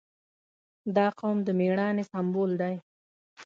• دا قوم د مېړانې سمبول دی.